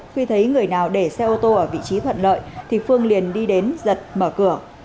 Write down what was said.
khi thấy người nào để xe ô tô ở vị trí thuận lợi thì phương liền đi đến giật mở cửa